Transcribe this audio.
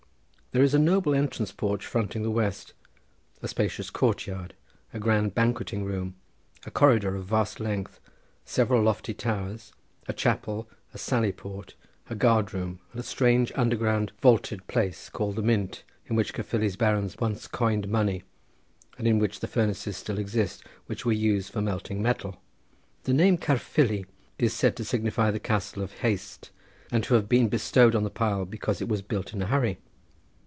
There is a noble entrance porch fronting the west—a spacious courtyard, a grand banqueting room, a corridor of vast length, several lofty towers, a chapel, a sally port, a guard room, and a strange underground vaulted place called the mint, in which Caerfili's barons once coined money, and in which the furnaces still exist which were used for melting metal. The name Caerfili is said to signify the Castle of Haste, and to have been bestowed on the pile because it was built in a hurry.